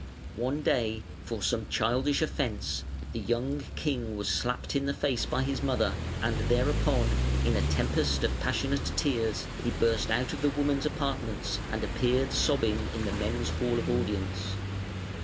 One day, for some childish offence, the young king was slapped in the face by his mother, and thereupon, in a tempest of passionate tears, he burst out of the women's apartments and appeared sobbing in the men's hall of audience.